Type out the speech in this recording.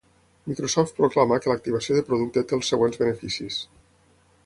Microsoft proclama que l'activació de producte té els següents beneficis.